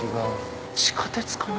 地下鉄かな